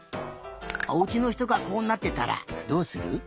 おうちのひとがこうなってたらどうする？